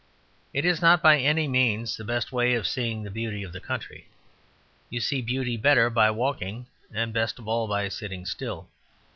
It is not by any means the best way of seeing the beauty of the country; you see beauty better by walking, and best of all by sitting still.